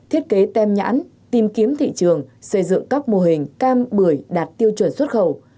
thiết kế tem nhãn tìm kiếm thị trường xây dựng các mô hình cam bưởi đạt tiêu chuẩn xuất khẩu